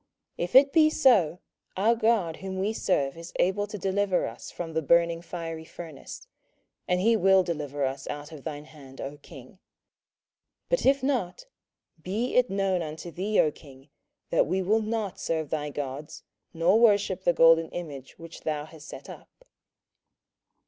27:003:017 If it be so, our God whom we serve is able to deliver us from the burning fiery furnace, and he will deliver us out of thine hand, O king. 27:003:018 But if not, be it known unto thee, O king, that we will not serve thy gods, nor worship the golden image which thou hast set up.